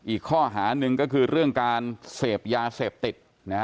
อีกข้อหาหนึ่งก็คือเรื่องการเสพยาเสพติด